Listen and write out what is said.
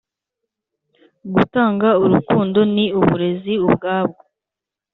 “gutanga urukundo ni uburezi ubwabwo.”